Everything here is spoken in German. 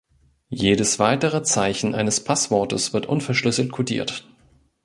Jedes weitere Zeichen eines Passwortes wird unverschlüsselt kodiert.